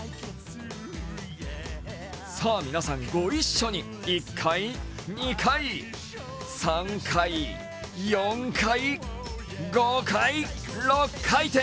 さあ、皆さんご一緒に１回、２回、３回、４回、５回、６回転！